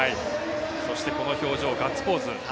そしてこの表情ガッツポーズ。